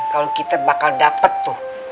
kalau kita bakal dapat tuh